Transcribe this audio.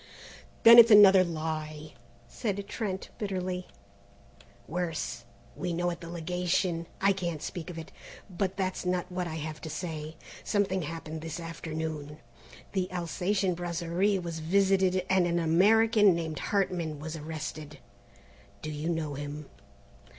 "Then it's another lie!" said Trent bitterly. "Worse we know at the Legation I can't speak of it. But that's not what I have to say. Something happened this afternoon. The Alsatian Brasserie was visited and an American named Hartman has been arrested. Do you know him?"